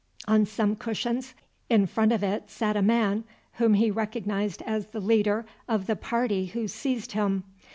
On some cushions in front of it sat a man, whom he recognized as the leader of the party who seized him.